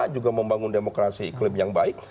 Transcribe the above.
juga membangun demokrasi iklim yang baik